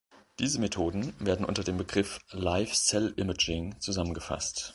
Diese Methoden werden unter dem Begriff "Live Cell Imaging" zusammengefasst.